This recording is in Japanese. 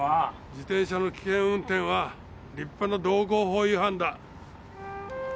自転車の危険運転は立派な道交法違反だ。